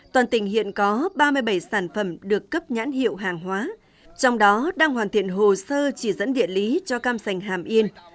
toàn tỉnh hiện có ba mươi bảy sản phẩm được cấp nhãn hiệu hàng hóa trong đó đang hoàn thiện hồ sơ chỉ dẫn địa lý cho cam sành hàm yên